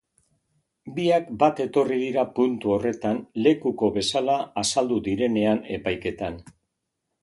Biak bat etorri dira puntu horretan lekuko bezala azaldu direnean epaiketan.